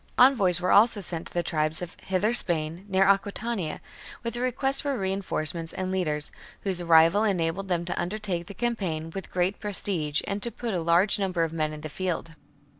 Envoys were also sent to the tribes of Hither Spain, near Aquitania, with a request for reinforcements and leaders, whose arrival enabled them to undertake the campaign with great prestige and to put a large number of men in the field.